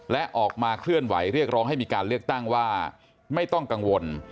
และออกมาเคลื่อนไหวเรียกร้องให้มีการเลือกตั้งว่าไม่ต้องกังวล